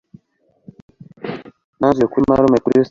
Nanyuze kuri marume kuri sitasiyo